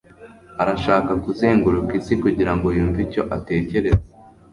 arashaka kuzenguruka isi kugirango yumve icyo atekereza